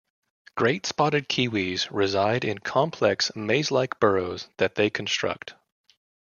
Great spotted kiwis reside in complex, maze-like burrows that they construct.